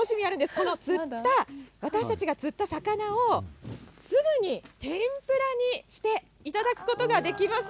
この釣った、私たちが釣った魚を、すぐに天ぷらにしていただくことができます。